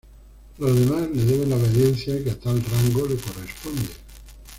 Los demás le deben la obediencia que a tal rango le corresponde.